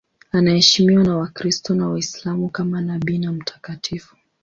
Anaheshimiwa na Wakristo na Waislamu kama nabii na mtakatifu.